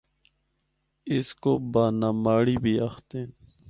اس کو بھانہ ماڑی بھی آخدے ہن۔